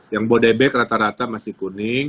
yang bodai bebek rata rata masih kuning